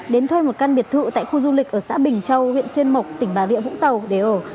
đến thuê một căn biệt thự tại khu du lịch ở xã bình châu huyện xuyên mộc tỉnh bà rịa vũng tàu để ở